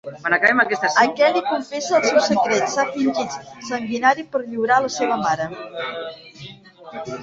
Aquest li confessa el seu secret: s'ha fingit sanguinari per lliurar la seva mare.